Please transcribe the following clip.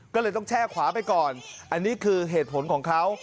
ก็เลยต้องแช่ขวาไปก่อนอันนี้คือเหตุผลของเขา